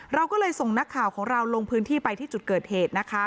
เราก็เลยส่งนักข่าวของเราลงพื้นที่ไปที่จุดเกิดเหตุนะคะ